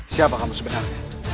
siapa kamu sebenarnya